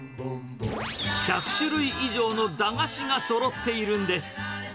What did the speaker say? １００種類以上の駄菓子がそろっているんです。